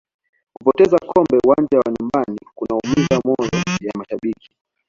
kupoteza kombe uwanja wa nyumbani kunaumiza mioyo ya mashabiki